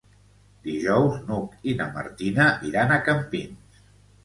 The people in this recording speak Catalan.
Dijous n'Hug i na Martina iran a Campins.